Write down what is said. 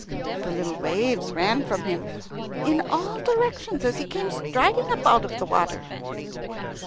The little waves ran from him in all directions as he came striding up out of the water.